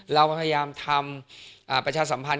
เราพยายามทำประชาสัมพันธ